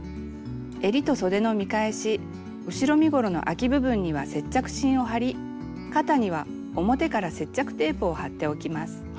えりとそでの見返し後ろ身ごろのあき部分には接着芯を貼り肩には表から接着テープを貼っておきます。